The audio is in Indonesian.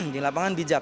di lapangan bijak